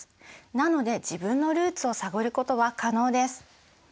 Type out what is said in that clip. なので自分のルーツを探ることは可能です。